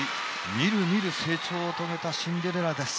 みるみる成長を遂げたシンデレラです。